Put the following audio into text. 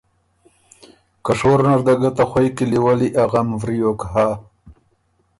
که شور نر ده ګۀ ته خوئ کِلی وَلّی ا غم وریوک هۀ۔